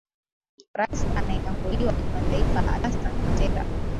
rais anayetambuliwa kimataifa alasan watera